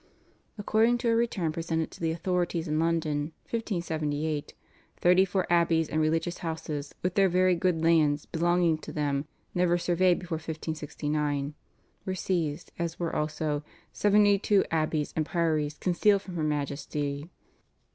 According to a return presented to the authorities in London (1578) "thirty four abbeys and religious houses with very good lands belonging to them, never surveyed before 1569," were seized, as were also "seventy two abbeys and priories concealed from her Majesty."